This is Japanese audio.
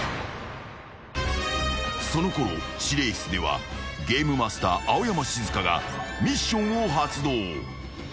［そのころ司令室ではゲームマスター青山シズカがミッションを発動］